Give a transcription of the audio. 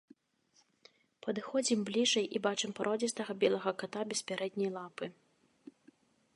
Падыходзім бліжэй і бачым пародзістага белага ката без пярэдняй лапы.